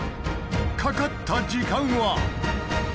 かかった時間は。